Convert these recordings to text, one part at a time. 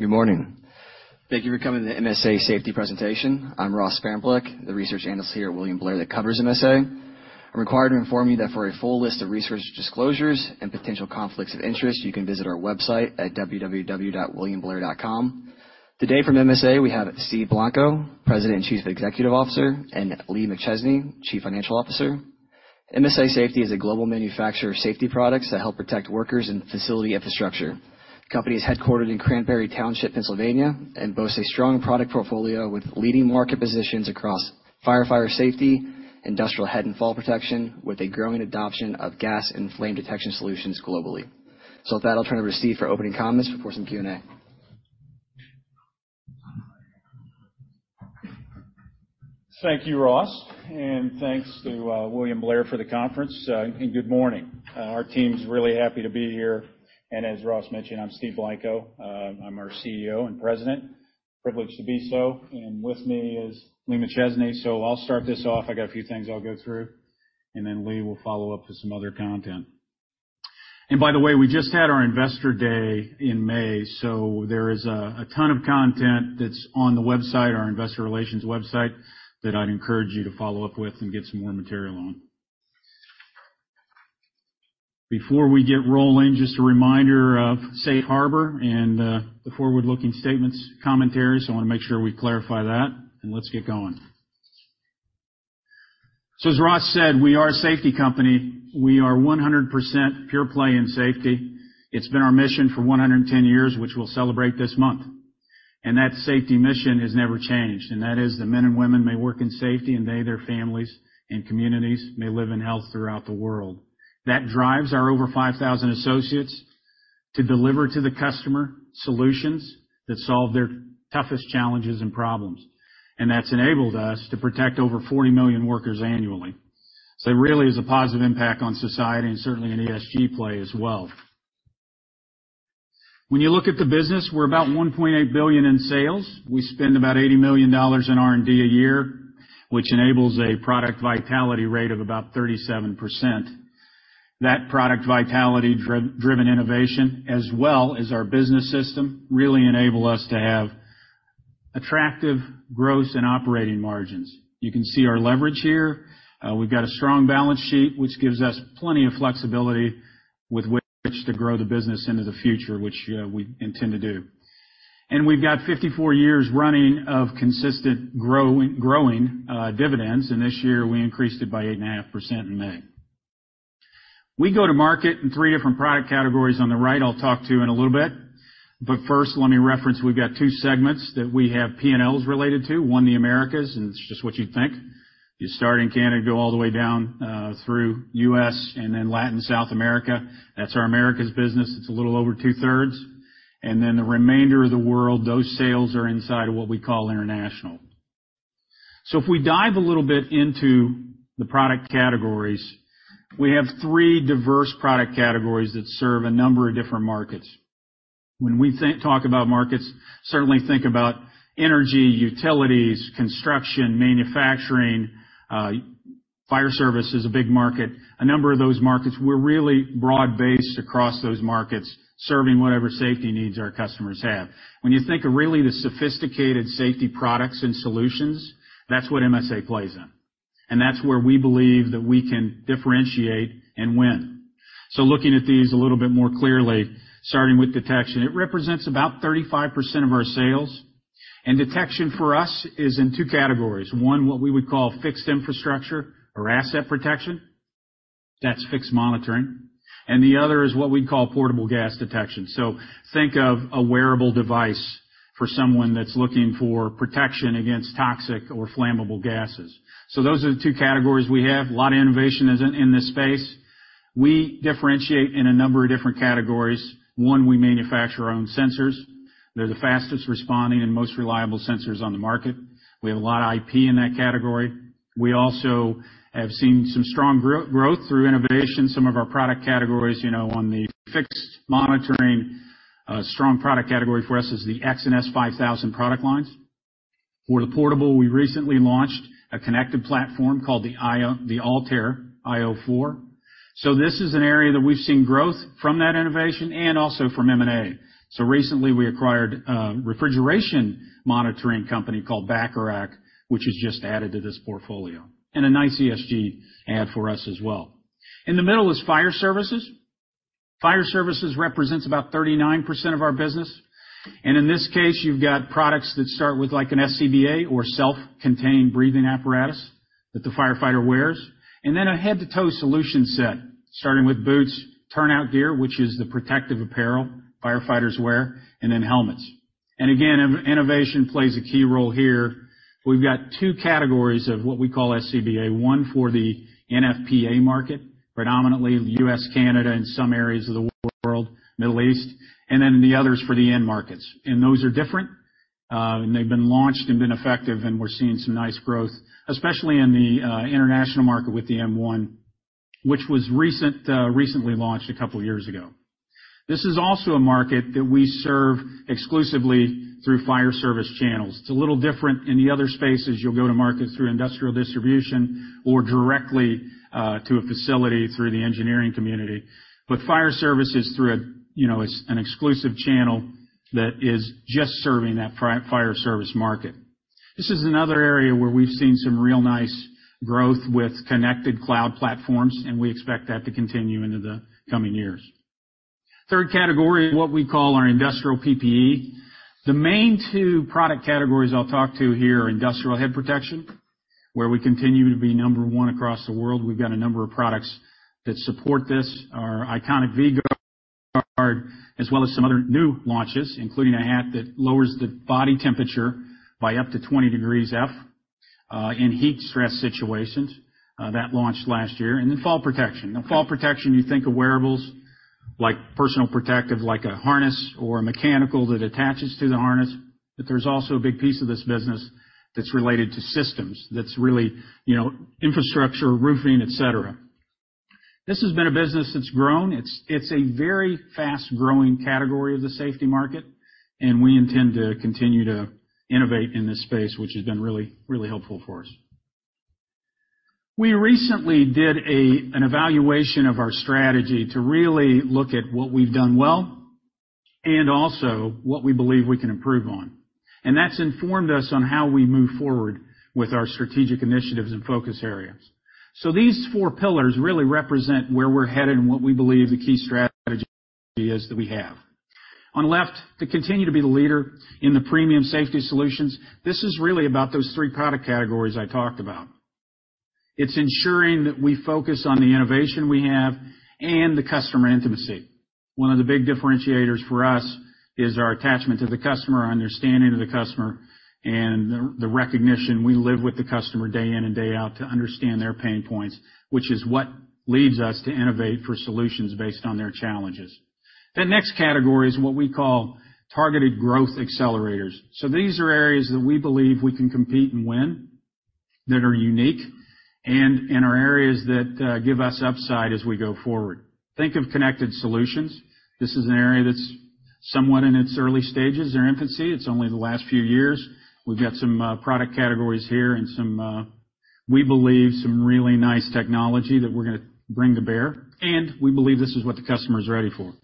Good morning. Thank you for coming to the MSA Safety presentation. I'm Ross Sparenblek, the research analyst here at William Blair, that covers MSA. I'm required to inform you that for a full list of research disclosures and potential conflicts of interest, you can visit our website at www.williamblair.com. Today, from MSA, we have Steve Blanco, President and Chief Executive Officer, and Lee McChesney, Chief Financial Officer. MSA Safety is a global manufacturer of safety products that help protect workers and facility infrastructure. The company is headquartered in Cranberry Township, Pennsylvania, and boasts a strong product portfolio, with leading market positions across firefighter safety, industrial head and fall protection, with a growing adoption of gas and flame detection solutions globally. With that, I'll turn it over to Steve for opening comments before some Q&A. Thank you, Ross, and thanks to William Blair for the conference, and good morning. Our team's really happy to be here, and as Ross mentioned, I'm Steve Blanco. I'm our CEO and President, privileged to be so, and with me is Lee McChesney. So I'll start this off. I got a few things I'll go through, and then Lee will follow up with some other content. And by the way, we just had our investor day in May, so there is a ton of content that's on the website, our investor relations website, that I'd encourage you to follow up with and get some more material on. Before we get rolling, just a reminder of safe harbor and the forward-looking statements commentaries. I wanna make sure we clarify that, and let's get going. So as Ross said, we are a safety company. We are 100% pure play in safety. It's been our mission for 110 years, which we'll celebrate this month, and that safety mission has never changed, and that is that men and women may work in safety, and they, their families, and communities may live in health throughout the world. That drives our over 5,000 associates to deliver to the customer solutions that solve their toughest challenges and problems. And that's enabled us to protect over 40 million workers annually. So it really is a positive impact on society and certainly an ESG play as well. When you look at the business, we're about $1.8 billion in sales. We spend about $80 million in R&D a year, which enables a product vitality rate of about 37%. That product vitality driven innovation, as well as our business system, really enable us to have attractive gross and operating margins. You can see our leverage here. We've got a strong balance sheet, which gives us plenty of flexibility with which to grow the business into the future, which we intend to do. And we've got 54 years running of consistent growing dividends, and this year, we increased it by 8.5% in May. We go to market in three different product categories on the right, I'll talk to you in a little bit. But first, let me reference, we've got two segments that we have P&Ls related to. One, the Americas, and it's just what you'd think. You start in Canada, go all the way down, through U.S. and then Latin South America. That's our Americas business. It's a little over two-thirds. Then the remainder of the world, those sales are inside of what we call international. So if we dive a little bit into the product categories, we have three diverse product categories that serve a number of different markets. When we talk about markets, certainly think about energy, utilities, construction, manufacturing, fire service is a big market. A number of those markets, we're really broad-based across those markets, serving whatever safety needs our customers have. When you think of really the sophisticated safety products and solutions, that's what MSA plays in, and that's where we believe that we can differentiate and win. So looking at these a little bit more clearly, starting with detection, it represents about 35% of our sales, and detection for us is in two categories. One, what we would call fixed infrastructure or asset protection. That's fixed monitoring, and the other is what we'd call portable gas detection. So think of a wearable device for someone that's looking for protection against toxic or flammable gases. So those are the two categories we have. A lot of innovation is in this space. We differentiate in a number of different categories. One, we manufacture our own sensors. They're the fastest responding and most reliable sensors on the market. We have a lot of IP in that category. We also have seen some strong growth through innovation. Some of our product categories, you know, on the fixed monitoring, strong product category for us is the X5000 and S5000 product lines. For the portable, we recently launched a connected platform called the ALTAIR io 4. So this is an area that we've seen growth from that innovation and also from M&A. So recently, we acquired a refrigeration monitoring company called Bacharach, which is just added to this portfolio, and a nice ESG add for us as well. In the middle is fire services. Fire services represents about 39% of our business, and in this case, you've got products that start with like an SCBA or self-contained breathing apparatus that the firefighter wears, and then a head-to-toe solution set, starting with boots, turnout gear, which is the protective apparel firefighters wear, and then helmets. And again, innovation plays a key role here. We've got two categories of what we call SCBA. One for the NFPA market, predominantly U.S., Canada, and some areas of the world, Middle East, and then the other is for the end markets. And those are different, and they've been launched and been effective, and we're seeing some nice growth, especially in the international market with the M1, which was recent, recently launched a couple of years ago. This is also a market that we serve exclusively through fire service channels. It's a little different in the other spaces. You'll go to market through industrial distribution or directly to a facility through the engineering community. But fire service is through a, you know, it's an exclusive channel that is just serving that fire service market.... This is another area where we've seen some real nice growth with connected cloud platforms, and we expect that to continue into the coming years. Third category is what we call our industrial PPE. The main two product categories I'll talk to here are industrial head protection, where we continue to be number one across the world. We've got a number of products that support this, our iconic V-Gard, as well as some other new launches, including a hat that lowers the body temperature by up to 20 degrees Fahrenheit in heat stress situations that launched last year. Then fall protection. Now, fall protection, you think of wearables, like personal protective, like a harness or a mechanical that attaches to the harness, but there's also a big piece of this business that's related to systems that's really, you know, infrastructure, roofing, et cetera. This has been a business that's grown. It's a very fast-growing category of the safety market, and we intend to continue to innovate in this space, which has been really, really helpful for us. We recently did an evaluation of our strategy to really look at what we've done well, and also what we believe we can improve on. And that's informed us on how we move forward with our strategic initiatives and focus areas. So these four pillars really represent where we're headed and what we believe the key strategy is that we have. On the left, to continue to be the leader in the premium safety solutions, this is really about those three product categories I talked about. It's ensuring that we focus on the innovation we have and the customer intimacy. One of the big differentiators for us is our attachment to the customer, our understanding of the customer, and the recognition we live with the customer day in and day out to understand their pain points, which is what leads us to innovate for solutions based on their challenges. The next category is what we call targeted growth accelerators. These are areas that we believe we can compete and win, that are unique and are areas that give us upside as we go forward. Think of connected solutions. This is an area that's somewhat in its early stages or infancy. It's only the last few years. We've got some product categories here and some we believe some really nice technology that we're gonna bring to bear, and we believe this is what the customer is ready for.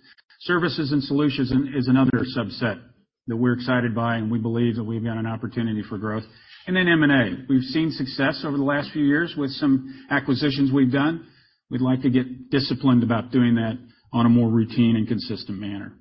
Services and solutions is another subset that we're excited by, and we believe that we've got an opportunity for growth. And then M&A. We've seen success over the last few years with some acquisitions we've done. We'd like to get disciplined about doing that on a more routine and consistent manner.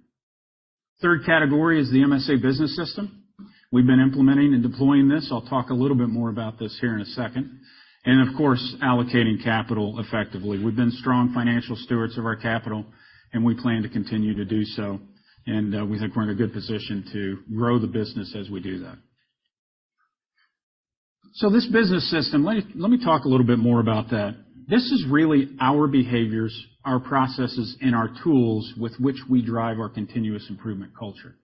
Third category is the MSA Business System. We've been implementing and deploying this. I'll talk a little bit more about this here in a second. And of course, allocating capital effectively. We've been strong financial stewards of our capital, and we plan to continue to do so, and we think we're in a good position to grow the business as we do that. So this business system, let me talk a little bit more about that. This is really our behaviors, our processes, and our tools with which we drive our continuous improvement culture.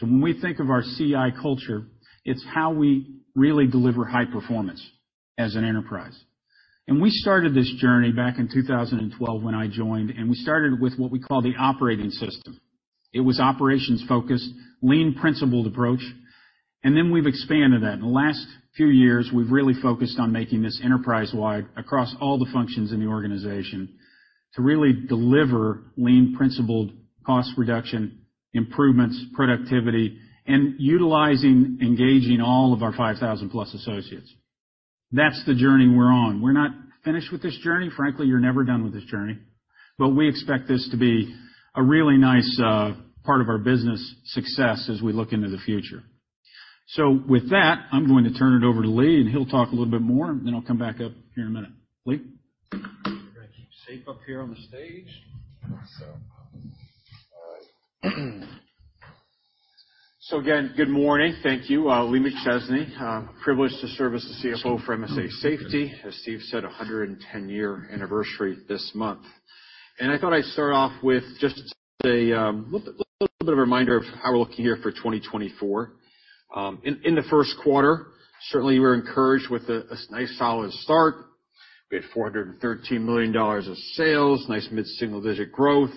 When we think of our CI culture, it's how we really deliver high performance as an enterprise. We started this journey back in 2012 when I joined, and we started with what we call the operating system. It was operations-focused, lean, principled approach, and then we've expanded that. In the last few years, we've really focused on making this enterprise-wide across all the functions in the organization to really deliver lean, principled cost reduction, improvements, productivity, and utilizing, engaging all of our 5,000-plus associates. That's the journey we're on. We're not finished with this journey. Frankly, you're never done with this journey, but we expect this to be a really nice part of our business success as we look into the future. With that, I'm going to turn it over to Lee, and he'll talk a little bit more, and then I'll come back up here in a minute. Lee? We're gonna keep safe up here on the stage. So again, good morning. Thank you. Lee McChesney, privileged to serve as the CFO for MSA Safety. As Steve said, a 110-year anniversary this month. I thought I'd start off with just a little bit of a reminder of how we're looking here for 2024. In the first quarter, certainly we're encouraged with a nice solid start. We had $413 million of sales, nice mid-single digit growth,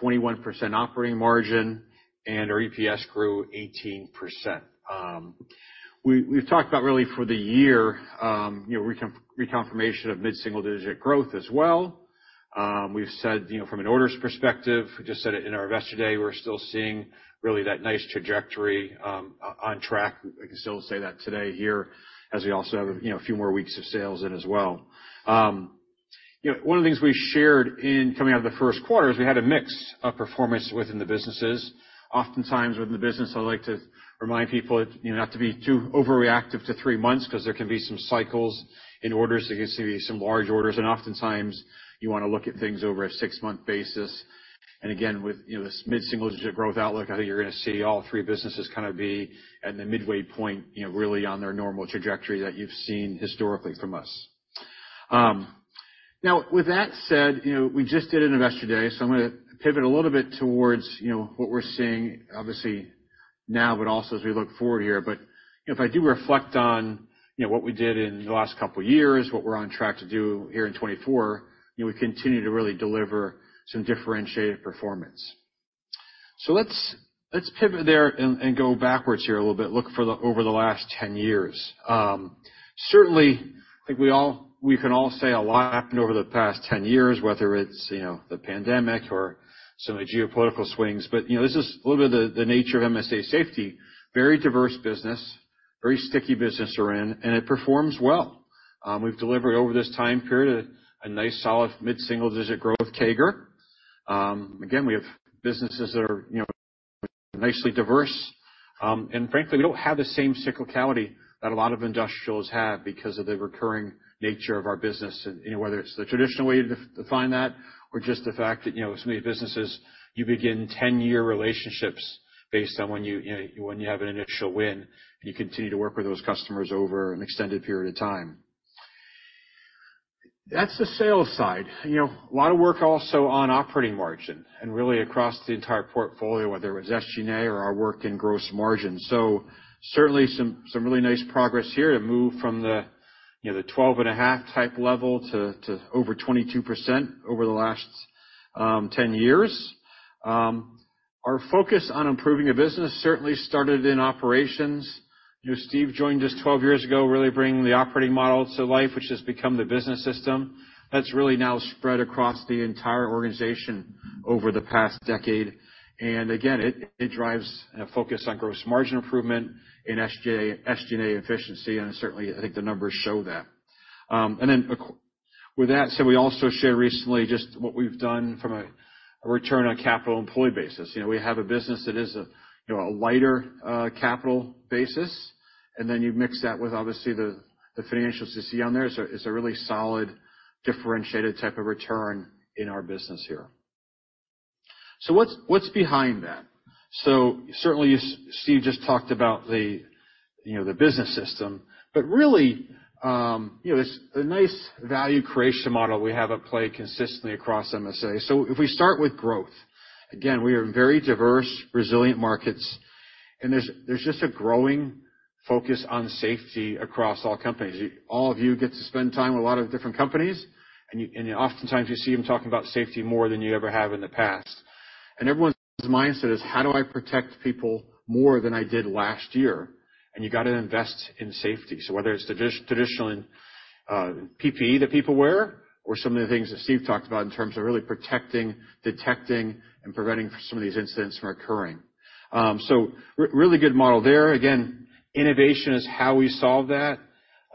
21% operating margin, and our EPS grew 18%. We've talked about really for the year, you know, reconfirmation of mid-single digit growth as well. We've said, you know, from an orders perspective, we just said it in our Investor Day, we're still seeing really that nice trajectory, on track. I can still say that today here, as we also have, you know, a few more weeks of sales in as well. You know, one of the things we shared in coming out of the first quarter is we had a mix of performance within the businesses. Oftentimes within the business, I like to remind people, you know, not to be too overreactive to three months because there can be some cycles in orders. You can see some large orders, and oftentimes, you wanna look at things over a six-month basis. And again, with, you know, this mid-single digit growth outlook, I think you're gonna see all three businesses kind of be at the midway point, you know, really on their normal trajectory that you've seen historically from us. Now, with that said, you know, we just did an Investor Day, so I'm gonna pivot a little bit towards, you know, what we're seeing, obviously, now, but also as we look forward here. But if I do reflect on, you know, what we did in the last couple of years, what we're on track to do here in 2024, you know, we continue to really deliver some differentiated performance. So let's pivot there and go backwards here a little bit, look over the last 10 years. I think we all, we can all say a lot happened over the past 10 years, whether it's, you know, the pandemic or some of the geopolitical swings. But, you know, this is a little bit of the nature of MSA Safety. Very diverse business, very sticky business we're in, and it performs well. We've delivered over this time period a nice, solid mid-single-digit growth CAGR. Again, we have businesses that are, you know, nicely diverse, and frankly, we don't have the same cyclicality that a lot of industrials have because of the recurring nature of our business, and, you know, whether it's the traditional way to define that or just the fact that, you know, so many businesses, you begin 10-year relationships based on when you, you know, when you have an initial win, and you continue to work with those customers over an extended period of time. That's the sales side. You know, a lot of work also on operating margin and really across the entire portfolio, whether it was SG&A or our work in gross margin. So certainly some, some really nice progress here to move from the, you know, the 12.5 type level to, to over 22% over the last 10 years. Our focus on improving the business certainly started in operations. You know, Steve joined us 12 years ago, really bringing the operating model to life, which has become the business system. That's really now spread across the entire organization over the past decade. And again, it, it drives a focus on gross margin improvement in SG&A efficiency, and certainly, I think the numbers show that. And then, with that, so we also shared recently just what we've done from a return on capital employed basis. You know, we have a business that is a, you know, a lighter capital basis, and then you mix that with, obviously, the financials you see on there. It's a really solid, differentiated type of return in our business here. So what's behind that? So certainly, Steve just talked about the, you know, the business system, but really, you know, it's a nice value creation model we have at play consistently across MSA. So if we start with growth, again, we are in very diverse, resilient markets, and there's just a growing focus on safety across all companies. All of you get to spend time with a lot of different companies, and oftentimes you see them talking about safety more than you ever have in the past. Everyone's mindset is: How do I protect people more than I did last year? You got to invest in safety. So whether it's traditional PPE that people wear, or some of the things that Steve talked about in terms of really protecting, detecting, and preventing some of these incidents from occurring. Really good model there. Again, innovation is how we solve that.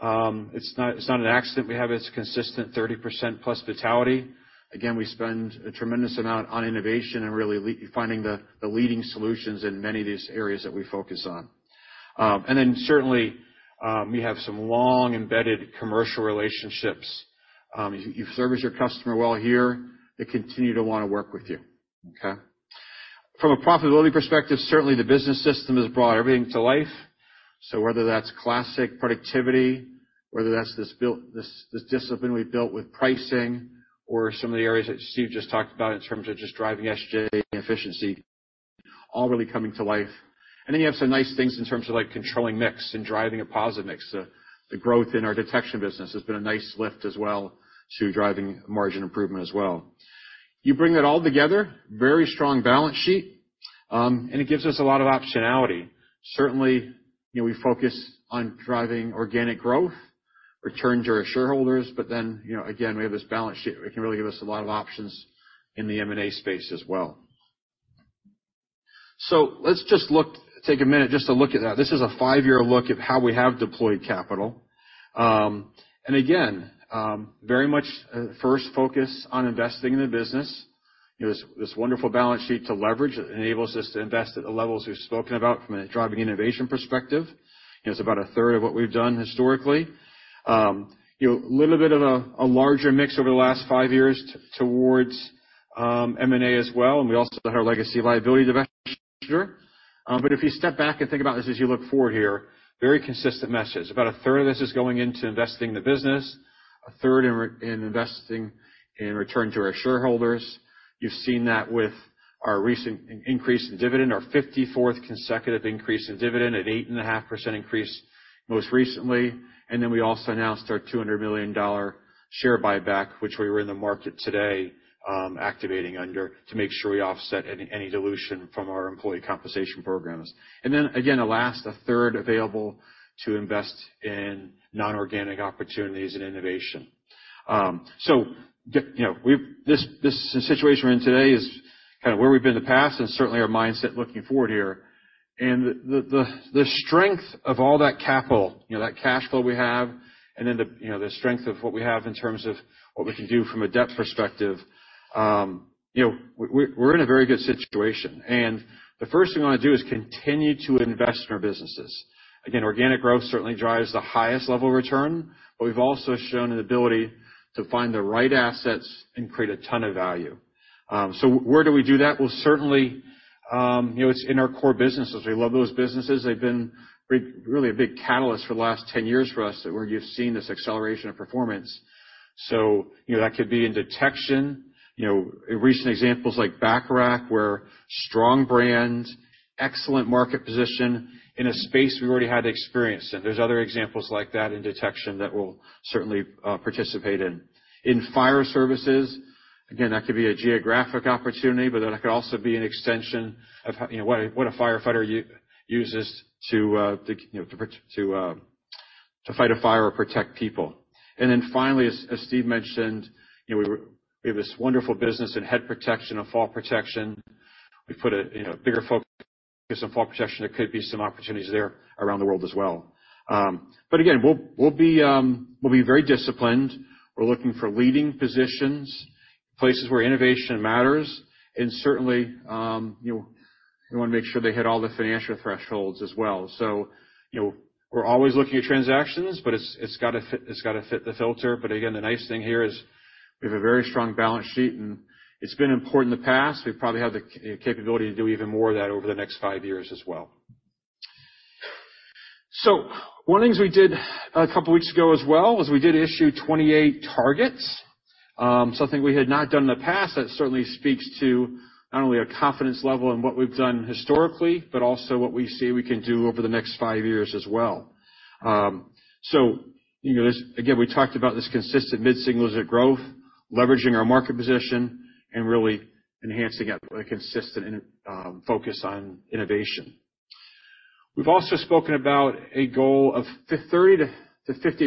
It's not an accident we have this consistent 30%+ vitality. Again, we spend a tremendous amount on innovation and really finding the leading solutions in many of these areas that we focus on. And then certainly, we have some long, embedded commercial relationships. You service your customer well here, they continue to want to work with you. Okay? From a profitability perspective, certainly the business system has brought everything to life. So whether that's classic productivity, whether that's this built, this, this discipline we've built with pricing, or some of the areas that Steve just talked about in terms of just driving SG&A efficiency, all really coming to life. And then you have some nice things in terms of, like, controlling mix and driving a positive mix. The growth in our detection business has been a nice lift as well to driving margin improvement as well. You bring that all together, very strong balance sheet, and it gives us a lot of optionality. Certainly, you know, we focus on driving organic growth, returns to our shareholders, but then, you know, again, we have this balance sheet. It can really give us a lot of options in the M&A space as well. So let's just take a minute just to look at that. This is a five-year look at how we have deployed capital. And again, very much, first focus on investing in the business. You know, this, this wonderful balance sheet to leverage enables us to invest at the levels we've spoken about from a driving innovation perspective. You know, it's about a third of what we've done historically. You know, a little bit of a, a larger mix over the last five years towards M&A as well, and we also had our legacy liability divestiture. But if you step back and think about this as you look forward here, very consistent message. About a third of this is going into investing in the business, a third in reinvesting in return to our shareholders. You've seen that with our recent increase in dividend, our fifty-fourth consecutive increase in dividend at 8.5% most recently. And then we also announced our $200 million share buyback, which we're in the market today activating under to make sure we offset any dilution from our employee compensation programs. And then, again, the last, a third available to invest in non-organic opportunities and innovation. So the, you know, we've this, this situation we're in today is kind of where we've been in the past and certainly our mindset looking forward here. And the strength of all that capital, you know, that cash flow we have, and then the, you know, the strength of what we have in terms of what we can do from a debt perspective, you know, we're in a very good situation, and the first thing we want to do is continue to invest in our businesses. Again, organic growth certainly drives the highest level of return, but we've also shown an ability to find the right assets and create a ton of value. So where do we do that? Well, certainly, you know, it's in our core businesses. We love those businesses. They've been really a big catalyst for the last 10 years for us, and where you've seen this acceleration of performance. So, you know, that could be in detection, you know, recent examples like Bacharach, where strong brand, excellent market position in a space we already had experience in. There's other examples like that in detection that we'll certainly participate in. In fire services, again, that could be a geographic opportunity, but then it could also be an extension of you know, what a, what a firefighter uses to, you know, to fight a fire or protect people. And then finally, as, as Steve mentioned, you know, we have this wonderful business in head protection and fall protection. We put a, you know, bigger focus on fall protection. There could be some opportunities there around the world as well. But again, we'll, we'll be very disciplined. We're looking for leading positions, places where innovation matters, and certainly, you know, we wanna make sure they hit all the financial thresholds as well. So, you know, we're always looking at transactions, but it's, it's gotta fit, it's gotta fit the filter. But again, the nice thing here is we have a very strong balance sheet, and it's been important in the past. We probably have the capability to do even more of that over the next five years as well. So one of the things we did a couple of weeks ago as well, was we did issue 2028 targets, something we had not done in the past. That certainly speaks to not only our confidence level in what we've done historically, but also what we see we can do over the next five years as well. So, you know, this again, we talked about this consistent mid-single-digit growth, leveraging our market position, and really enhancing a consistent focus on innovation. We've also spoken about a goal of 30-50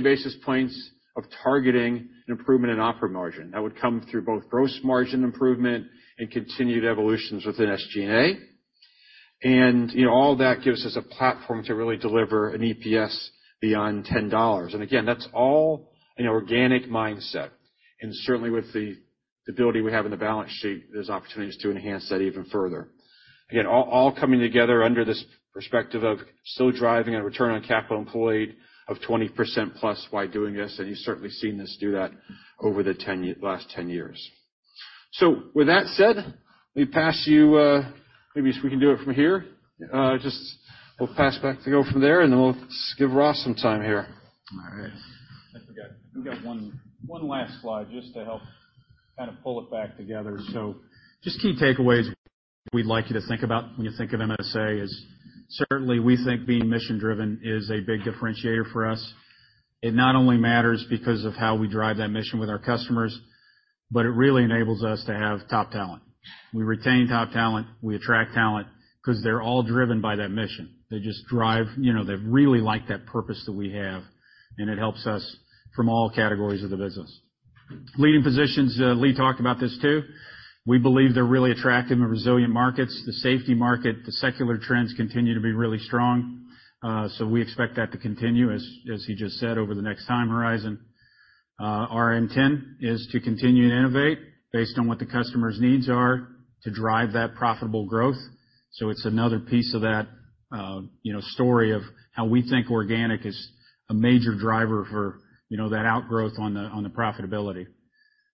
basis points of targeting an improvement in operating margin. That would come through both gross margin improvement and continued evolutions within SG&A. And, you know, all that gives us a platform to really deliver an EPS beyond $10. And again, that's all an organic mindset, and certainly with the ability we have in the balance sheet, there's opportunities to enhance that even further. Again, all coming together under this perspective of still driving a return on capital employed of 20%+ while doing this, and you've certainly seen us do that over the last 10 years. So with that said, let me pass you. Maybe we can do it from here? Just we'll pass back to go from there, and then we'll give Ross some time here. All right. I forgot, we've got one last slide just to help kind of pull it back together. So just key takeaways we'd like you to think about when you think of MSA is, certainly, we think being mission-driven is a big differentiator for us. It not only matters because of how we drive that mission with our customers, but it really enables us to have top talent. We retain top talent, we attract talent 'cause they're all driven by that mission. They just drive... You know, they really like that purpose that we have, and it helps us from all categories of the business. Leading positions, Lee talked about this, too. We believe they're really attractive and resilient markets. The safety market, the secular trends continue to be really strong, so we expect that to continue, as he just said, over the next time horizon. Our intent is to continue to innovate based on what the customer's needs are to drive that profitable growth. So it's another piece of that, you know, story of how we think organic is a major driver for, you know, that outgrowth on the profitability.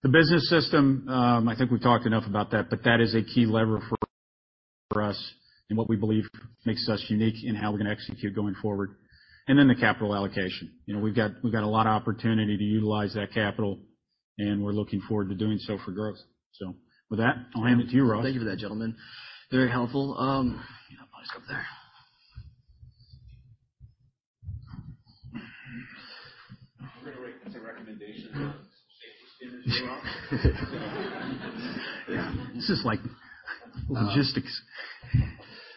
The business system, I think we've talked enough about that, but that is a key lever for us, and what we believe makes us unique in how we're gonna execute going forward. And then the capital allocation. You know, we've got a lot of opportunity to utilize that capital, and we're looking forward to doing so for growth. So with that, I'll hand it to you, Ross. Thank you for that, gentlemen. Very helpful. Mic's up there. We're gonna make that recommendation on safety standards, Ross. Yeah, this is like logistics.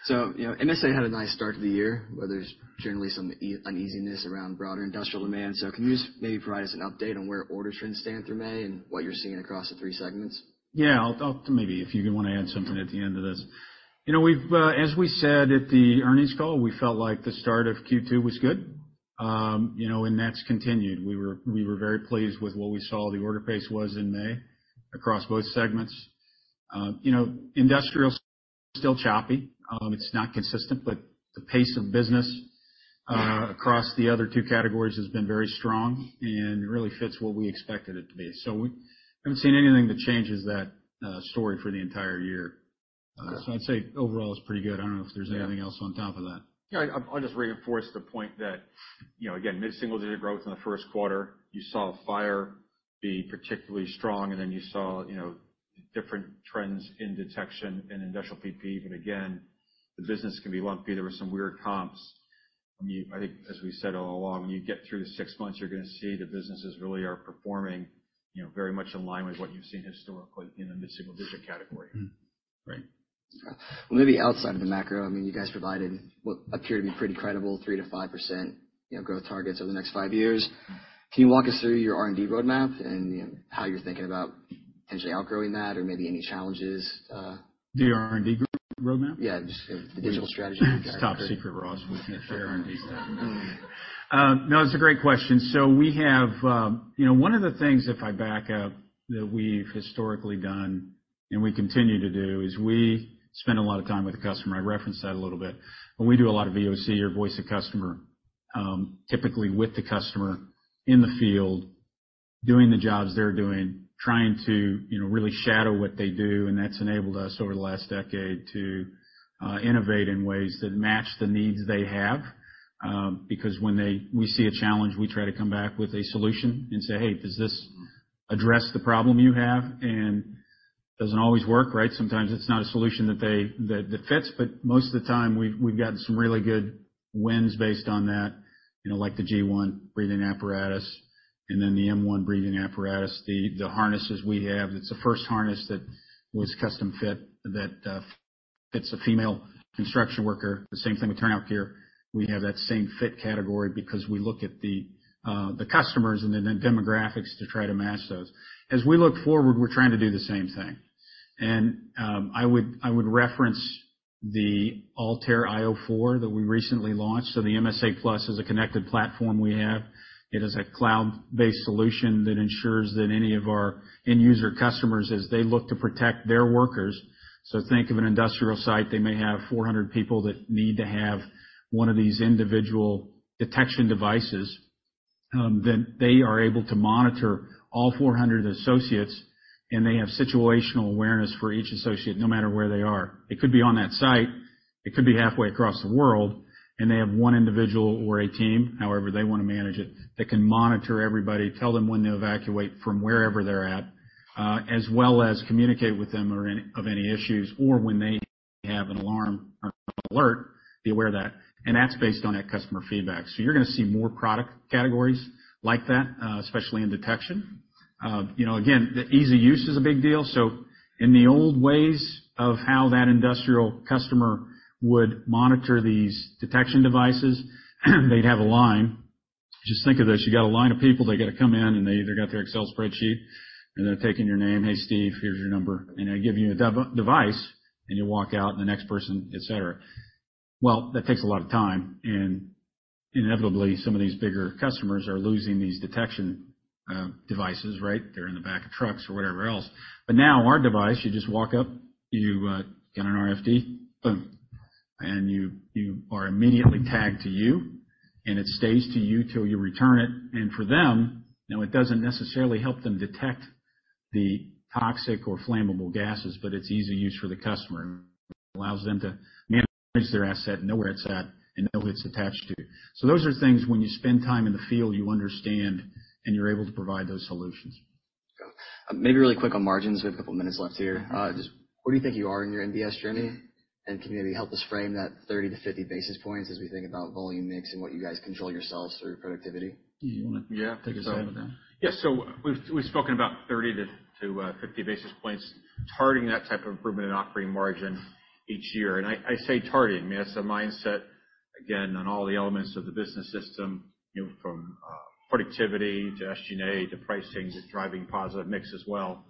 So, you know, MSA had a nice start to the year, where there's generally some uneasiness around broader industrial demand. So can you just maybe provide us an update on where order trends stand through May and what you're seeing across the three segments? Yeah, I'll. Maybe if you want to add something at the end of this. You know, we've, as we said at the earnings call, we felt like the start of Q2 was good, you know, and that's continued. We were, we were very pleased with what we saw the order pace was in May across both segments. You know, industrial is still choppy. It's not consistent, but the pace of business, across the other two categories has been very strong and really fits what we expected it to be. So we haven't seen anything that changes that, story for the entire year. So I'd say overall, it's pretty good. I don't know if there's anything else on top of that. Yeah, I'll just reinforce the point that, you know, again, mid-single-digit growth in the first quarter, you saw fire be particularly strong, and then you saw, you know, different trends in detection and industrial PPE. But again, the business can be lumpy. There were some weird comps. I mean, I think as we said all along, when you get through the six months, you're gonna see the businesses really are performing, you know, very much in line with what you've seen historically in the mid-single-digit category. Mm-hmm. Right. Well, maybe outside of the macro, I mean, you guys provided what appeared to be pretty credible, 3%-5%, you know, growth targets over the next 5 years. Can you walk us through your R&D roadmap and, you know, how you're thinking about potentially outgrowing that, or maybe any challenges? The R&D roadmap? Yeah, just the digital strategy. It's top secret, Ross. We can't share R&D stuff. No, it's a great question. So we have... You know, one of the things, if I back up, that we've historically done and we continue to do, is we spend a lot of time with the customer. I referenced that a little bit. And we do a lot of VoC, or Voice of the Customer, typically with the customer in the field, doing the jobs they're doing, trying to, you know, really shadow what they do, and that's enabled us over the last decade to innovate in ways that match the needs they have, because when we see a challenge, we try to come back with a solution and say, "Hey, does this address the problem you have?" And doesn't always work, right? Sometimes it's not a solution that fits, but most of the time, we've gotten some really good wins based on that, you know, like the G1 breathing apparatus and then the M1 breathing apparatus, the harnesses we have. It's the first harness that was custom fit that fits a female construction worker, the same thing with turnout gear. We have that same fit category because we look at the customers and the demographics to try to match those. As we look forward, we're trying to do the same thing. I would reference the ALTAIR io 4 that we recently launched. So the MSA+ is a connected platform we have. It is a cloud-based solution that ensures that any of our end user customers, as they look to protect their workers, so think of an industrial site, they may have 400 people that need to have one of these individual detection devices, then they are able to monitor all 400 associates, and they have situational awareness for each associate, no matter where they are. It could be on that site, it could be halfway across the world, and they have one individual or a team, however they want to manage it, that can monitor everybody, tell them when to evacuate from wherever they're at, as well as communicate with them or any of any issues, or when they have an alarm or alert, be aware of that. That's based on that customer feedback. So you're gonna see more product categories like that, especially in detection. You know, again, the easy use is a big deal. So in the old ways of how that industrial customer would monitor these detection devices, they'd have a line. Just think of this, you got a line of people, they got to come in, and they either got their Excel spreadsheet, and they're taking your name: "Hey, Steve, here's your number." And they give you a device, and you walk out, and the next person, et cetera. Well, that takes a lot of time, and inevitably, some of these bigger customers are losing these detection devices, right? They're in the back of trucks or whatever else. But now, our device, you just walk up, you get an RFID, boom! And you are immediately tagged to you, and it stays to you till you return it. For them, now, it doesn't necessarily help them detect the toxic or flammable gases, but it's easy use for the customer. It allows them to manage their asset and know where it's at and know who it's attached to. So those are things when you spend time in the field, you understand, and you're able to provide those solutions. Maybe really quick on margins, we have a couple of minutes left here. Just where do you think you are in your MBS journey? And can you maybe help us frame that 30-50 basis points as we think about volume mix and what you guys control yourselves through productivity? Yeah. Take a shot at that. Yes. So we've spoken about 30-50 basis points, targeting that type of improvement in operating margin each year. And I say targeting. That's a mindset, again, on all the elements of the business system, you know, from productivity to SG&A to pricing, to driving positive mix as well.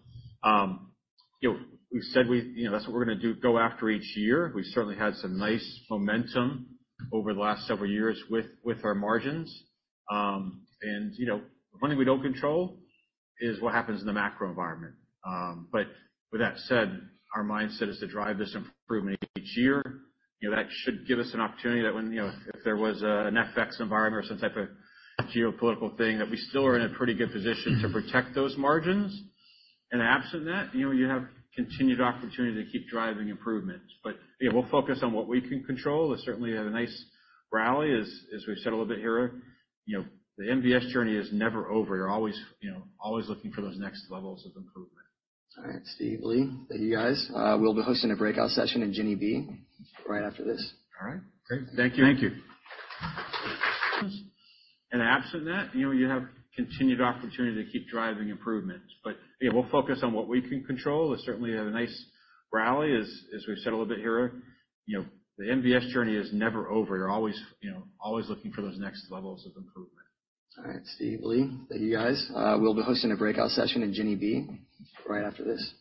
You know, we've said you know, that's what we're gonna do, go after each year. We've certainly had some nice momentum over the last several years with our margins. And, you know, one thing we don't control is what happens in the macro environment. But with that said, our mindset is to drive this improvement each year. You know, that should give us an opportunity that when, you know, if there was an FX environment or some type of geopolitical thing, that we still are in a pretty good position to protect those margins. And absent that, you know, you have continued opportunity to keep driving improvements. But, yeah, we'll focus on what we can control. It's certainly had a nice rally, as we've said a little bit here. You know, the MBS journey is never over. You're always, you know, always looking for those next levels of improvement. All right, Steve, Lee, thank you, guys. We'll be hosting a breakout session in Jenny B right after this. All right, great. Thank you. Thank you. Absent that, you know, you have continued opportunity to keep driving improvements. But, yeah, we'll focus on what we can control. It's certainly had a nice rally, as we've said a little bit here. You know, the MBS journey is never over. You're always, you know, always looking for those next levels of improvement. All right, Steve, Lee, thank you, guys. We'll be hosting a breakout session in Jenny B right after this.